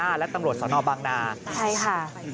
ท่ามกลางการคุมเข้มสถานการณ์ของตำรวจนครบาน๕และตำรวจสนบังนา